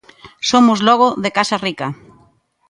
Somos logo de casa rica.